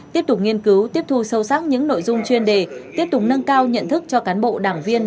tiếp tục nghiên cứu tiếp thu sâu sắc những nội dung chuyên đề tiếp tục nâng cao nhận thức cho cán bộ đảng viên